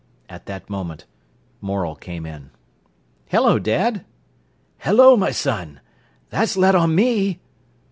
At that moment Morel came in. "Hello, dad!" "Hello, my son! Tha's let on me!"